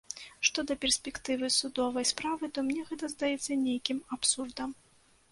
Што да перспектывы судовай справы, то мне гэта здаецца нейкім абсурдам.